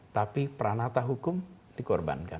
tapi pranata hukum dikorbankan